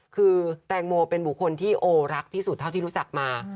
คือแตงโมเป็นบุคคลที่โอรักที่สุดเท่าที่รู้จักมา